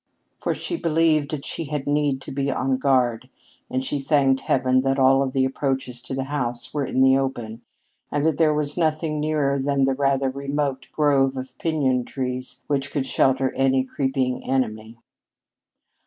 For she believed she had need to be on guard, and she thanked heaven that all of the approaches to the house were in the open and that there was nothing nearer than the rather remote grove of piñon trees which could shelter any creeping enemy.